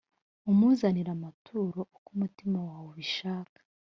umuzanire amaturo uko umutima wawe ubishaka,